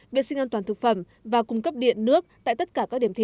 vệ sinh an toàn thực phẩm và cung cấp điện nước tại tất cả các điểm thi